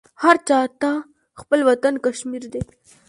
هر چا ته خپل وطن کشمیر دی